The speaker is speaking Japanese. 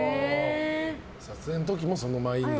撮影の時も、そのマインドを。